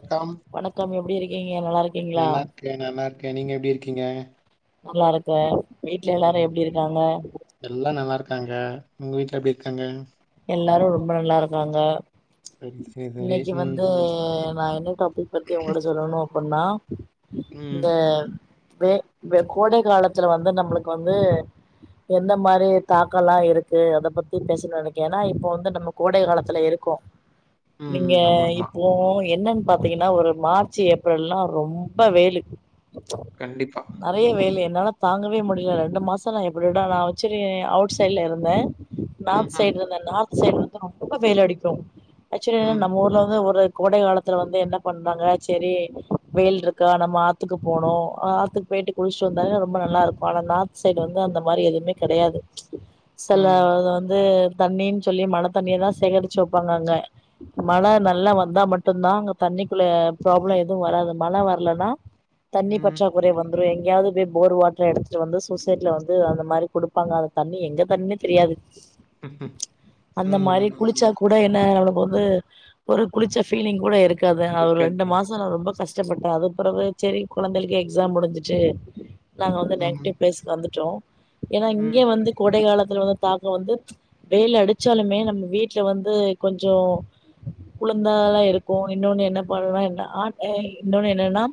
வணக்கம் வணக்கம் எப்டி இருக்கீங்க நல்லா இருக்கீங்ளா நல்லா இருக்கேன் நல்லா இருக்கேன் நீங்க எப்படி இருக்கீங்க நல்லா இருக்கே வீட்ல எல்லாரு எப்டி இருக்காங்க எல்லா நல்லா இருக்காங்க உங்க வீட்ல எப்டி இருக்காங்க எல்லாரு ரொம்ப நல்லா இருக்காங்க சரி சரி சரி இன்னைக்கு ம் வந்து ம் நா என்ன டாபிக் பத்தி உங்கள்ட்ட சொல்லணு அப்புனா ம் இந்த வே கோடை காலத்துல வந்து நம்மளுக்கு வந்து எந்த மாரி ஒரு தாக்கல்லா இருக்கு அத பத்தி பேச நெனைக் ஏன்னா இப்ப வந்து நம்ம கோடை காலத்துல இருக்கோ நீங்க ம் ஆமா ஆமா இப்ப அப்போ என்னன்னு பாத்தீங்கன்னா ஒரு மார்ச் ஏப்ரல்ல்லா ரொம்ப வெயிலு கண்டிப்பா நெறைய வெயிலு என்னால தாங்கவே முடியல ரெண்டு மாசம் நான் எப்டிடா நா வச்சு ஆக்சுவலி அவுட் சைட்ல இருந்தே ம் நார்த் ம் சைடு இருந்த நார்த் சைடு வந்து ரொம்ப வெயில் அடிக்கு ஆக்சுவலி ம் நம்ம ஊர்ல வந்து கோடை காலத்துல வந்து என்ன பண்றாங்க சேரி வெயில் இருக்கா நம்ம ஆத்துக்கு போனோ ஆத்துக்கு போயிட்டு குளிச்சிட்டு வந்தாலே ரொம்ப நல்லாருக்கு ஆனாநார்த் சைடு வந்து அந்த மாரி எதுமே கெடையாது செல ம் வந்து தண்ணின்னு சொல்லி மழை தண்ணியதா சேகரிச்சு வைப்பாங்க அங்க மழ நல்லா வந்தா மட்டும்தா அங்க தண்ணிக்குள்ள ப்ராப்ளம் எதுவு வராது மழ வரலன்னா தண்ணி ம் பற்றா குறை வந்ரு எங்கயாவது போய் போர் வாட்டர் எடுத்துட்டு வந்து சூசைட்ல வந்து அந்த மாரி குடுப்பாங்க அது தண்ணி எந்த தண்ணினு தெரியாது [inaudible] அந்த ம் மாரி குளிச்சா ம். கூட என்ன அவக்கு வந்து ஒரு குளிச்ச ஃபீலிங் கூட இருக் காது அவ ஒரு இருக்கேன் ரெண்டு மாச நா ரொம்ப கஷ் செர் செர் அதுக் பெறகு செரி கொழந்தைளுக் எக்ஸாம் முடிஞ்சிச்சு நாங்க வந்து ம் நேட்டிவ் பிளேஸ் வந்துட்டோ ஏன்னா ம் இங்கே வந்து கோடை காலத்துல வந் தாக்கம் வந்து வெயில் அடிச்சாலுமே நம்ம வீட்ல வந்து கொஞ்சோ குளுந்தால்லா இருக்கு இன்னொன்னு என்ன பண்லா என்ன ஆ இன்னொன்னு என்னன்னா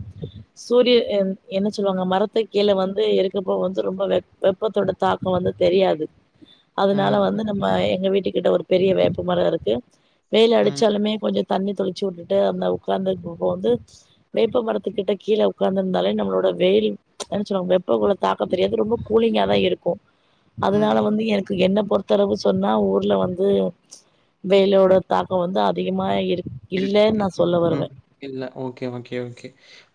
சூரிய என் என்ன சொல்லுவாங்க மரத்துக் கீழ வந்து இருக்கப்போ வந்து ரொம்ப வெ வெப்பத்தோட தாக்கோ வந்து தெரியாது அதுனால ம் வந்து நம்ப எங்க வீட்டு கிட்ட ஒரு பெரிய வேப்ப மரம் இருக்கு வெயில் ம் அடிச்சாலுமே கொஞ்ச தண்ணி தெளிச்சு உட்டுட்டு அந்த உக்காந்துப்ப வந்து வேப்ப மரத்துக்கிட்ட கீழ உக்காந்து இருந்தாலே நம்மளோட வெயில் என்ன சொல்லுவாங்க வெப்ப கொலத் தாக்கோ தெரியாது ரொம்ப கூலிங்கா தா இருக்கு அதனால ம் வந்து எனக்கு என்ன பொருத் த்தளவு சொன்னா ஊர்ல வந்து வெயிலோட தாக்கோ வந்து அதிகமா இருக் இருக்கு. இல்லன் நா ம், சொல்ல ம். வருவ இல்ல ஓகே ஓகே ஓகே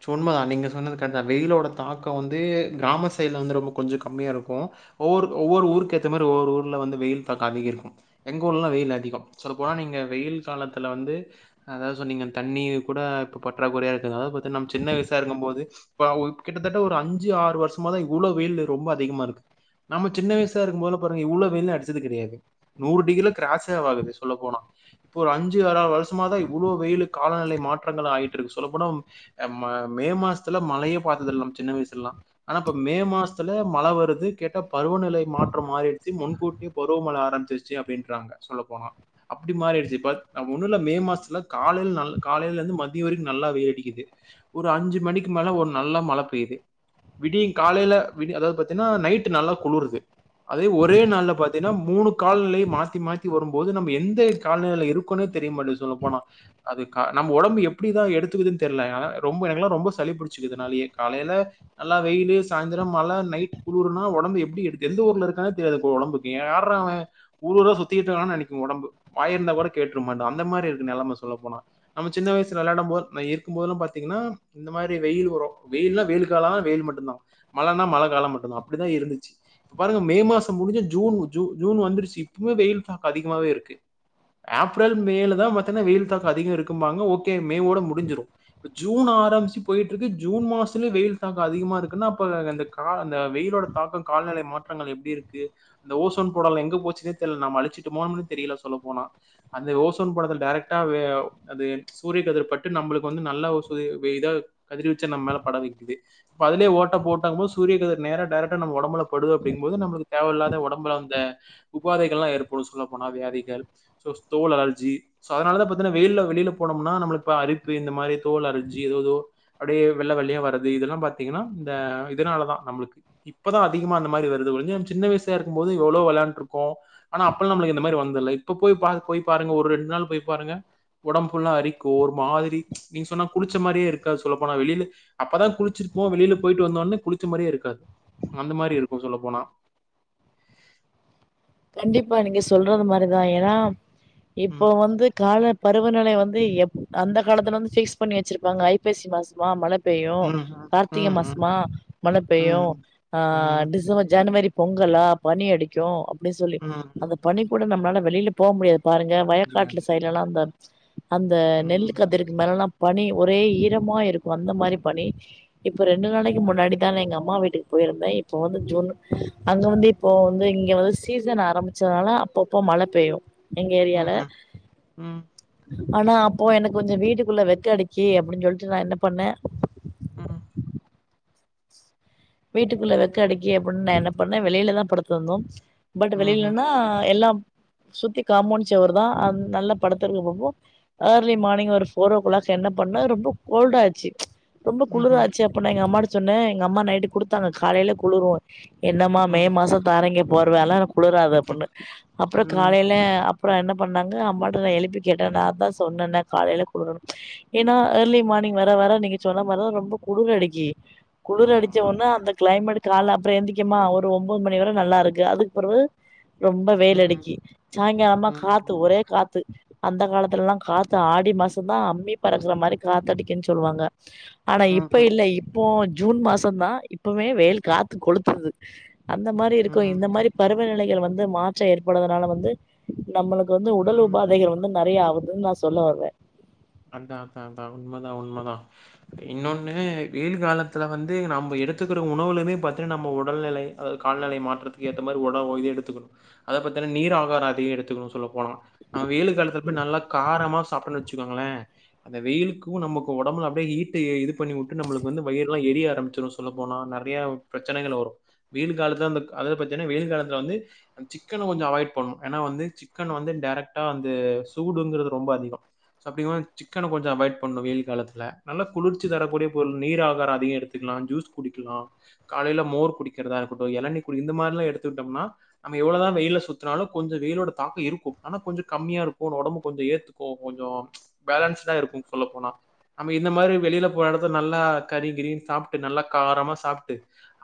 சும்மா நீங்க சொன்னது கரெக்ட் தா வெயிலோட தாக்கம் வந்து கிராம சைட்ல வந்து ரொம்ப கொஞ்ச கம்மியா இருக்கும் ஒவ்வொரு ஒவ்வொரு ஊருக்கேத்த மாரி ஒவ்வொரு ஊர்ல வந்து வெயில் தாக்கோ அதிகரிக்கும் எங்க ஊர்ல்லா வெயில் அதிகம் சொல்ல போனா நீங்க வெயில் காலத்துல வந்து அதாவ் சொன்னீங்க தண்ணி கூட இப்ப பற்றாக்குறையா இருக்கதுனால இப் பாத்தினா நம்ம சின்ன வயசா இருக்கும் போது இப்ப கிட்டத்தட்ட ஒரு அஞ்சு ஆறு வருஷமா தா இவ்ளோ வெயில்லு ரொம்ப அதிகமாருக்கு நம்ம சின்ன வயசா இருக்கும் போதுலா பாருங்க இவ்ளோ வெயில்லா அடிச்சது கிடயாது நூறு டிகிரி கிராஸ்ஸே ஆவாது சொல்ல போனா இப்ப ஒரு அஞ்சு ஆற வருஷ் மா தா இவ்ளோ வெயில்லு காலநிலை மாற்றங்கள் ஆயிட்ருக் சொல்லப்போனா நம்ம மே மாசத்துல மழயே பாத்ததில்ல நம் சின்ன வய்சுல்லல்லா ஆனா இப்ப மே மாசத்துல மழ வருது கேட்டா பருவநிலை மாற்றம் மாறிடுச்சு முன்கூட் டீ பருவமழ ஆரம்பிச்சிருச்சு அப்டின்றாங்க சொல்ல போனா அப்டி மாறிடுச்சு இப்ப அ ஒண்ணுல மே மாசத்துல காலையில நல் காலையிலந்து மதிய வரைக்கு நல்லா வெயிலடிக்குது ஒரு அஞ்சு மணிக்கு மேல ஒரு நல்லா மழ பெயுது விடியு காலையில விடி அதாவ் பாத்தீனா நைட்டு நல்லா குளுருது அதே ஒரே நாள்ல பாத்தீனா மூணு கால்நிலை மாத்தி மாத்தி வரும்போது நம்ப எந்த கால்நிலையில இருக்கோன்னே தெரிய மாட்டேங்குது சொல்ல போனா அதுக்கா நம்ம ஒடம்பு எப்டிதா எடுத்துக்குதுன் தெர்ல ஆனா ரொம்ப எனக்கெல்லா ரொம்ப சளிபிடிச்சுக்குது இதனாலயே காலையில நல்லா வெயிலு சாயந்தர மழ நைட் குளுருனோ ஒடம்பு எப்டி எடுத்து எந்த ஊர்ல இருக்கானே தெரியாது இப்ப ஒடம்புக் யார்ரா இவ ஊர் ஊரா சுத்திகிட்டு வர்றா நெனைக்கு ஒடம்பு வாயிருந்தா கூட கேட்ருமடா அந்த மாரி இருக் கு நெலம சொல்ல போனா நம்ம சின்ன வயசல வெள்யாடம் போது நம் இருக்கும் போது பாத்தீங்கன்னா இந்த மாரி வெயில் வரு வெயில்ன்னா வெயில் கால வெயில் மட்டும்தா மழன்னா மழ கால மட்டுதா அப்டிதா இருந்துச்சு இப்ப பாருங்க மே மாச முடிஞ்ச ஜூன் ஜூனு வந்துருச்சு இப்மே வெயில் தாக்கோ அதிகமாவே இருக்கு ஏப்ரல் மேலதா பத்தன்னா வெயில் தாக்க அதிகோ இருக்கும்பாங்க ஓகே மேவோட முடிஞ்சிடு இப் ஜூன் ஆரம்பிச்சு போயிட்ருக்கு ஜூன் மாஸ்த்துலே வெயில் தாக்கு அதிகமா இருக்குன்னா அப்ப அந்த கா அந்த வெயிலோட தாக்கோ கால்நில மாற்றங்கள் எப்டி இருக்கு அந்த ஓசோன் படலோ எங்க போச்சுன்னே தெர்ல நம்ம அழச்சுட்டோம்மான் தெரியில சொல்ல போனா அந்த ஓசோன் படல டேரக்ட் டா ஒரு அது சூரியக்கதிர்பட்டு நம்மளுக்கு வந்து நல்லா இது இதா கதிர்வீச்சு நம் மேல பட வெக்குது இப்ப அதுலயே ஓட்ட போட்ட கூட சூரிய கிரக நேர டேரக்டா நம்ம ஒடம்புல படும் அப்டிங்போது நமக்கு தேவையில்லாத ஒடம்பு அந்த உபாதைகள் எல்லா ஏற்படு சொல்ல போனா வியாதிகள் சோ தோல் அலர்ஜி அதனால பாத்தனா வெயில வெளியில போனோம்னா நம்ளுக் பா அருப்பு இந்த மாதிரி தோல் அலர்ஜி எதோதோ அப்டியே வெள்ள வெள்ளையா வருது இதெல்லாம் பாத்தீங்கனா இந்த இதனாலதா நம்ளுக்கு இப்பதா அதிகமா அந்த மாரி வருது ஒலுஞ்ச நம்ம சின்ன வயசியா இருக்கும்போது எவ்ளோ விளாண்டு இருக்கோ ஆனா அப்பல்லா நம்ளுக்கு இந்த மாதிரி வந்தது இல்ல இப்ப போய் பாருங்க போய் பாருங்க ஒரு ரெண்டு நாள் போய் பாருங்க உடம்பு புல்லா அரிக்கு ஒரு மாதிரி நீங்க சொன்னா குளிச்ச மாதிரியே இருக்காது சொல்ல போனா வெளில அப்பதா குளிச்சிருப்போ வெளில போயிட்டு வந்தோடனே குளிச்ச மாதிரியே இருக்காது அந்த மாதிரி இருக்கு சொல்ல போனா கண்டிப்பா நீங்க சொல்றது மாதிரிதா ஏனா இப்போ ம் வந்து காலப் பருவநிலை வந்து எப் அந்த காலத்துல வந்து பிக்ஸ் பண்ணி வச்சிருப்பாங்க ஐபேசி மாசமா மழப் பெய்யு ம் கார்த்திகை ம் ம் மாசமா‌ மழை பெய்யு ம். ஆ ம். டிசம்பர் ஜனவரிப் பொங்கலா பனி அடிக்கு அப்டின்னு சொல்லி ம். அந்த பனி கூட நம்மளால வெளியில போ முடியாது பாருங்க வயக்காட்டுல முடியாது. சைடெல்லா அந்த அந்த நெல்லு ம். கதிர் மேலலா பனி ஒரே ஈரமா இருக்கு அந்த மாரி பனி இப்ப ரெண்டு நாளைக்கு முன்னாடி தா எங்க அம்மா வீட்டுக்கு போயிருந்தே இப்ப வந்து ஜூன் அங்க வந்துப் இப்போ வந்து இங்க வந்து சி சீசன் ஆரம்பிச்சதனால அப்ப அப்ப மழ பெய்யு எங்க ஏர்யால ம்ஹ்ம். ம். ஆனா அப்ப எனக்கு கொஞ்ச வீட்டுக்குள்ள வெக்க அடிக்கு அப்டின்னு சொல்லிட்டு நா என்ன பண்ண ம் வீட்டுக்குள்ள வெக்க அடிக்க அப்டின்னு நா என்ன பண்ணே வெளியிலதா படுத்து இருந்தோம் பட் ம்ஹ்ம். வெளியிலன்னா எல்லா சுத்தி காமொன்டு செவுருதா அது நல்ல படுத்துருக்குபோம்போ ஏர்லி மார்னிங் ஒரு போரோ ஓ கிளாக் என்ன பண்ண ரொம்போ கோல்டா ஆச்சி ரொம்ப ம்ஹ்ம். குளிராச்சி அப்போ நா எங்க அம்மாட்ட சொன்ன எங்க அம்மா நைட்டு குடுத்தாங்க காலேல குளுரு என்னமா மே ம். மாசோ தாரங்க போர்வ அதுலா குளுறாது அப்டின்னு அப்புற ம். காலேல அப்புற என்ன பண்ணாங்க அம்மாட்ட நா எழுப்பி கேட்ட நாதா சொன்னன காலேல குளுருணு ஏனா ஏர்லி மார்னிங் வர வர நீங்க சொன்ன வர ரொம்ப குளிர் அடுக்கி குளிர் அடிச்ச ஆமாமா. உன்ன அந்த கிளைமேட் கால அப்புற எந்திக்கியமா ஒரு ஒன்போது மணி வரை நல்லா இருக்கு அதுக் பிறவு ரொம்ப ம். வெயிலடுக்கி சாயங்காலமா காத்து ம். ஒரே காத்து அந்த காலத்தெல்லா காத்து ஆடி மாச தா அம்மி பறக்கற மாரி காத்தடிக்குன்னு சொல்லுவாங்க ஆனா இப்ப ம்ஹ்ம். இல்ல இப்போ ஜூன் மாச தா இப்பவே வெயில் காத்து கொலுத்துது அந்த மாரி இருக்கு இந்த ம். மாரி பருவநிலைகள் வந்து மாற்ற ஏற்படுவதுனால வந்து நம்ளுக்கு வந்து உடல் ம். உபாதைகள் வந்து நெறய ஆவுதுன் நா சொல்ல வறே அதா அதா அதா உண்மதா உண்மதா இன்னொன்னு வெயில் காலத்தில வந்து நம்ம எடுத்துக்கிற உணவுலமே பாத்தீன்னா நம்மோ உடல்நிலை அதாது காலநிலை மாற்றத்துக்கு ஏத்த மாதி ஒணவு இது எத்துக்கணு அதா பாத்தின்னா நீர் ஆகார அதியே எடுத்துக்குணு சொல்ல போனா நம்ம வேயிலு காலத்துல போய் நல்லா காரமா சாப்டோன்னு வச்சிக்கோங்கள அந்த வெயிலுக்கு நமக்கு ஒடம்புல அப்டியே ஹீட்ட எ இது பண்ணி உட்டு நம்ளுக்கு வந்து வயிறுலா எரிய ஆரம்பிசிரு சொல்லப்போனா நெறையாவு பிரச்சனைகள் வரு வெயில் காலத்துல அந்தக் அதாவது பாத்தின்னா வெயில் காலத்துல வந்து அந் சிக்கன கொஞ்சோ அவாய்ட் பண்ணு ஏனா வந்து சிக்கன் வந்து டரக்டா வந்து சூடுங்கிறது ரொம்ப அதிகோ சப்ளிமென்ட் சிக் சிக்கன கொஞ்சோ அவாய்ட் பண்ணு வெயில் காலத்துல நல்லா குளிர்ச்சி தரக்கூடிய பொருள் நீர் ஆகாரா அதிகோ எடுத்துக்னா ஜூஸ் குடிக்கிலா காலேல மோர் குடிக்கிறதா இருக்கட்டு எளநீர் குடி இந்த மாரிலா எடுத்துக்கிட்டோம்னா நம்ம எவ்ளதா வெயில்ல சுத்துனாலு கொஞ்சோ வெயிலோட தாக்கோ இருக்கு ஆனா கொஞ்சோ கம்மியா இருக்கு ஒடம்பு கொஞ்சோ ஏத்துக்கோ கொஞ்சோ பேலன்ஸ்டா இருக்கு சொல்ல போனா நம்ம இந்த மாரி வெளில போற எடத்துல நல்லா கறி கிரின்னு சாப்ட்டு நல்லா காரமா சாப்ட்டு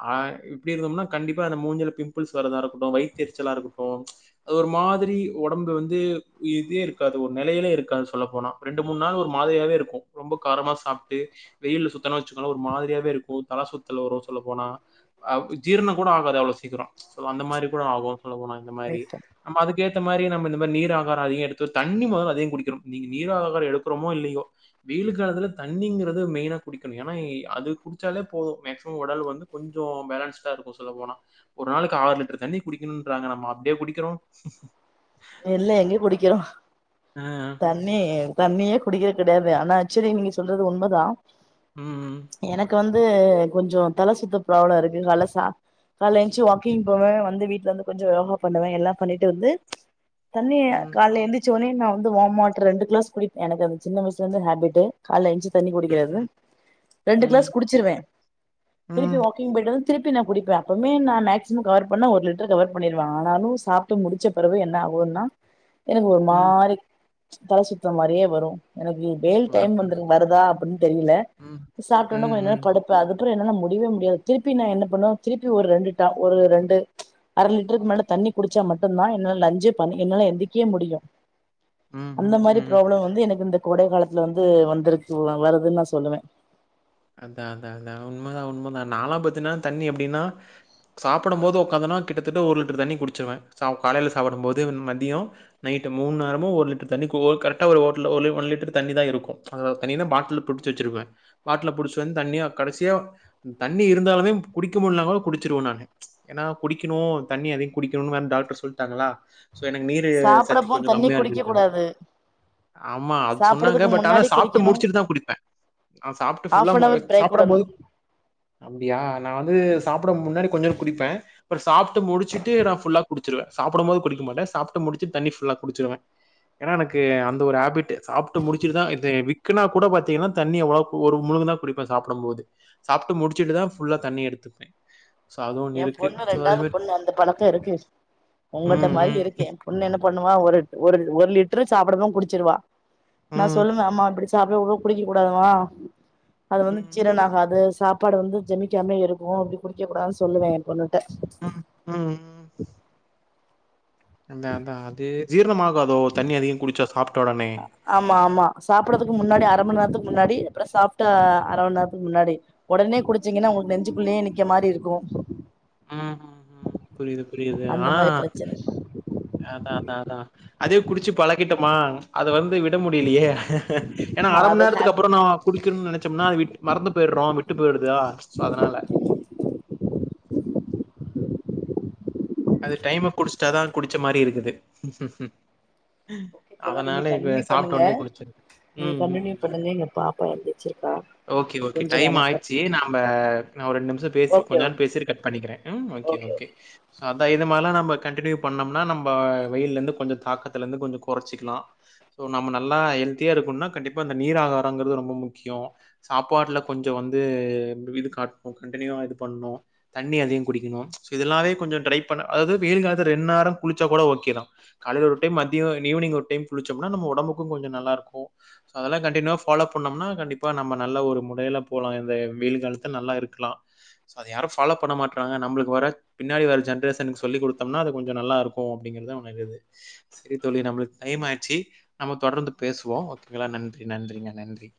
ஆ இப்டி இருந்தோம்னா கண்டிப்பா இந்த மூஞ்சில பிம்பிள்ஸ் வரதா இருக்கட்டு வயித் எரிச்சலா இருக்கட்டு அது ஒரு மாதிரி ஒடம்பு வந்து இதே இருக்காது ஒரு நெலயிலே இருக்காது சொல்ல போனா ரெண்டு மூன் நாள் ஒரு மாதிரியாவே இருக்கு ரொம்ப காரமா சாப்ட்டு வெயில்ல சுத்துணோன் வச்சுக்கோங்க ஒரு மாதிரியாவே இருக்கு தல சுத்தல் வரு சொல்ல போனா ஆ ஜீரணோ கூட ஆகாது அவ்ளோ சீக்கிரோ சோ அந்த மாரி கூட ஆகு சொல்ல போனா அந்த மாரி ரைட்டு நம்ம அதுக்கேத்த மாரி நம்ம இந்த மாரி நீர் ஆகாரோ அதிகோ எடுத்து தண்ணி மொதல அதிகோ குடிக்கணு நீங்க நீர் ஆகாரோ எடுக்கறோமோ இல்லயோ வெயிலு காலத்துல தண்ணிங்றது மெயினா குடிக்கணு ஏன்னா அது குடிச்சாலே போது மக்சிமம் ஒடல் வந்து கொஞ்சோ பாலன்ஸ்டா இருக்கு சொல்ல போனா ஒரு நாளைக்கு ஆறு லிட்டர் தண்ணி குடிக்கணுன்றாங்க நம்ம அப்டியா குடிக்கிறோ இல்ல எண்ணி குடிக்கிறோ ஆ தண்ணி தண்ணியே குடிக்கிறது கெடையாது ஆனா அக்சுவலி நீங்க சொல்றது உண்மதா ம் எனக்கு வந்து கொஞ்சோ தல சுத்த ப்ராளம் இருக்கு கால்ல சாப் கால்ல எந்துச்சு வாக்கிங் போவே வந்து வீட்ல இருந்து கொஞ்சோ யோகா பண்ணுவே எல்லா பண்ணிட்டு வந்து தண்ணி ம். காலேல எழுந்தச்சோனே நா வந்து வாம் வாட்டர் ரெண்டு கிளாஸ் குடிப்பே எனக்கு அது சின்ன வயசிலருந்து ஹாபிட்டு கால்ல எழுந்ச்சி தண்ணி ம்ஹ்ம். குடிக்கிறது ரெண்டு ம். கிளாஸ் குடிச்சிருவே திருப்பி ம். வா வாக்கிங் போய்ட்டு வந்து திருப்பி நா குடிப்பே அப்பமே நா மாக்சிமம் கவர் பண்ணா ஒரு லிட்டர் கவர் பண்ணிருவே ஆனாலு சா ட்டு முடிச்ச பிறவு என்ன ஆ வுனா‌ எனக்கு ஒரு ம். மாரி தல சுத்தர மாரியே வரு எனக்கு வெயில் டைம் வரும். வந்திரு வருதா அப்டின் தெரியல ம். சாப்ட்டோனே ம். கொஞ்சோ நேரோ ம். படுத் இப்ப அதுப்றோ என்னால முடியவே முடியாது திருப்பி நா என்ன பண்ணுவே திருப்பி ஒரு ரெண்டுட்டா ஒரு ரெண்டு அர லிட்ருக்கு மேல தண்ணி குடிச்சா மட்டுந்தா என்னால லஞ்சே என்னால எந்திக்கே முடியு ம். அந்த ம். மாரி ம். ப்ராப்ளோ வந்து எனக்கு இந்த கோடை காலத்துல வந்து வந்துருக்கு வருதுன் நா சொல்லுவே அதா அதா அதா உண்மதா உண்மதா நாலா பாத்தினா தண்ணி எப்டின்னா சாப்டும் போது உக்காந்தனா கிட்டத்தட்ட ஒரு லிட்ரு தண்ணி குடிச்சிருவே சா காலேல சாப்பிடும் போது மதியோ நைட்டு மூன்நேரமு ஒரு லிட்ரு தண்ணி ஒரு கோ கரெக்டா ஒரு ஒன் ஒரு லிட்ரு தண்ணி தா இருக்கு அதில ஒரு தண்ணிய பாட்டில்ல புடிச்சி வச்சிருப்பே பாட்டில்ல புடிச்சி வந்து தண்ணிய கடைசியா தண்ணி இருந்தாலுமே குடிக்க முடியலனாலு குடிச்சிருவே நானு ஏன்னா குடிக்கணு தண்ணி அதிகோ குடிக்கணுன் வேற டாக்டர் சொல்ட்டாங்களா சோ எனக்கு நீரு சத்து சாப்பிடப்போ கொஞ்சோ தண்ணி கம்மியா குடிக்க இருக்குன்ட்டாங்க கூடாது ஆமா அது சொன்னாங்க சாப்பிடறதுக்கு பட் ஆனா முன்னாடி சாப்ட்டு குடிக்கணு முடிச்சுட்டு தா குடிப்பே ஆ சாப்ட்டு ஃபுல்லா ஹாஃப் அன் அவர் பிரேக் சாப்படும் விடணு போது அப்டியா நா வந்து சாப்பிட முன்னாடி கொஞ்சோன் குடிப்பே அப்றோ சாப்ட்டு முடிச்சுட்டு நா ஃபுல்லா குடிச்சிருவே சாப்பிடும் போது குடிக்க மாட்டே சாப்ட்டு முடிச்சுட்டு தண்ணி ஃபுல்லா குடிச்சிருவே ஏன்னா எனக்கு அந்த ஒரு ஹேபிட்டு சாப்ட்டு முடிச்சுட்டுதா இது விக்குனா கூட பாத்தீங்கன்னா தண்ணி அவ்ளோ ஒரு முழுங்குனா குடிப்பே சாப்ட போது சாப்ட்டு முடிச்சுட்டுதா ஃபுல்லா தண்ணி எடுத்துப்பே என் பொண்ணு ரெண்டாவது பொண்ணு அந்த பழக்க இருக்கு உங்கட்ட ம், மாரி ம், இருக்கே ஒண்ணு என்ன பண்ணுவா ஒரு ஒரு ஒரு லிட்ரு சாப்பிடவும் குடிச்சிருவா நா ம், சொல்லுவே ஆமா இப்படி சாப்பிட போது குடிக்க கூடாதும்மா‌ அது வந்து ம், சீரன ஆகாது சாப் ப்பாடு வந்து ஜெமிக்காமே இருக்கு அப்டி குடிக்க கூடதுன்னு சொல்லுவே என் பொண்ணுட்ட அ ஆ அந்த அதா அது ஜீரணமாகாதோ தண்ணி அதிக குடிச்சா சாப்ட்ட உடனே ஆமா ஆமா சாப்பிடத்துக்கு முன்னாடி அரை மண்நேரத்துக்கு முன்னாடி அப்பற சாப்ட்ட அரை மண்நேரத்துக்கு முன்னாடி உடனே குடிச்சீங்கன்னா உங்களுக்கு நெஞ்சுக்குள்ளே நிக்க மாறி இருக்கு ம் ம் ம் புரியுது‌ புரியுது அந்த ஆனா மாரி பிரச்சன அதா தா தா அதே குடிச்சு பழகிட்டோமா அத வந்து விட முடியலியே ஏன்னா அர மண் அது நேரத்துக்கு ஹேப் அப்பறம் நா குடிக்கணும்னு நினைச்சோம்னா அது விட்டு மறந்து போயிடுறோம் விட்டு போயிடுதா சோ அதனால அது டைம்க்கு குடிச்சிட்டாதா குடிச்ச மாரி இருக்குது ஓகே தோழா நீங்க அதனால இப்ப கண்டினியூ சாப்டோணே குடிச்சிரு ம் ம் ம். [unintelligible] எ பாப்பா எந்துச்சிருக்கா ஓகே ஓகே டைம் ஆயிச்சு நம்ம நா ஒரு ரெண்டு நிமிசோ பேசி ஓகே கொஞ்ச நேர ஓகே பேசிடு கட் பண்ணிக்கிறே ம் ஓகே ஓகே சோ அத இது மாரிலா நம்ம கண்டினியூ பண்ணோம்னா நம்ம வெயில இருந்து கொஞ்ச தக்கத்தத்துல இருந்து கொஞ்ச கொறச்சிக்கலா சோ நம்ம நல்லா ஹெல்த்தியா இருக்குனா கண்டிப்பா அந்த நீர் ஆகாராங்கிறது ரொம்ப முக்கியோ சாப்பாட்டுல கொஞ்சோ வந்து இது காட்டணு கண்டினியூவா இது பண்ணு தண்ணி அதிகோ குடிக்கணு இதெல்லாவே கொஞ்ச ட்ரை பண்ண அதாவது வெயில் காலத்து ரெண்டு நேரோ குளிச்சா கூட ஓகே தா காலையில ஒரு டைம் மதிய ஈவினிங் ஒரு டைம் குளிச்சோம்னா நம்ம ஒடம்புக்கு கொஞ்ச நல்லாருக்கு சோ அதெல்ல கண்டினியூவா பாலோ பண்ணோம்னா கண்டிப்பா நம்ம நல்லா ஒரு முடையில போலா இந்த வெயில் காலத்து நல்லா இருக்கலா சோ அத யாரு ஃபாலோ பண்ண மாட்றாங்க நம்மளுக்கு வர பின்னடி வர ஜன்ரேஷனுக்கு சொல்லி கொடுத்தோம்னா அ கொஞ்ச நல்லருக்கு அப்டிங்கிறது ஒரு இது செரி தோழி நம்மளுக்கு டைம் ஆச்சி நம்ம ‌தொடர்ந்து பேசுவோ ஓகேங்களா நன்றி நன்றிங்க நன்றி